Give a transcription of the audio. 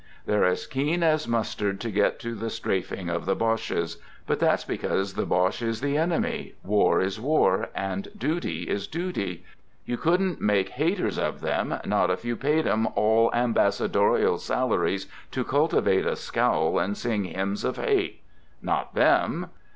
They're as keen as mustard to get to the strafing of the Bodies ; but that's because the Boche is the enemy, war is war, and duty is duty. You couldn't make haters of 'em, not if you paid 'em all ambassadorial salaries to cultivate a scowl and sing hymns of hate. Not them.